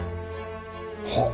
はっ！